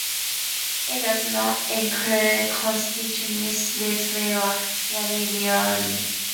It does not include constituencies which were merely renamed.